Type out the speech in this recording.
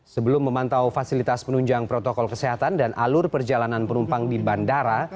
sebelum memantau fasilitas penunjang protokol kesehatan dan alur perjalanan penumpang di bandara